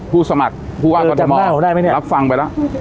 ผู้สมัครผู้ว่ากรณมเออจำน่าผมได้ไหมเนี้ยรับฟังไปแล้ว